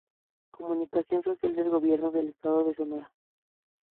Comunicación Social del Gobierno del Estado de Sonora.